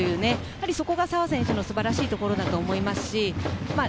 そこが澤選手の素晴らしいところだと思います。